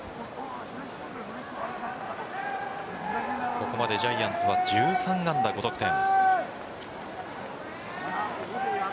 ここまでジャイアンツは１３安打５得点。